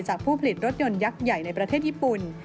ผู้ผลิตรถยนต์ยักษ์ใหญ่ในประเทศญี่ปุ่น